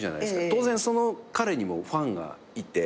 当然その彼にもファンがいて。